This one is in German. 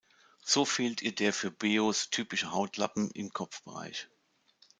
So fehlt ihr der für Beos typische Hautlappen im Kopfbereich.